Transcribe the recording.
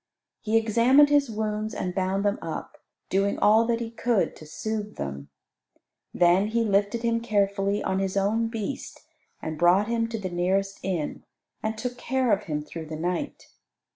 He examined his wounds and bound them up; doing all that he could to soothe them. Then he lifted him carefully on his own beast, and brought him to the nearest inn, and took care of him through the night.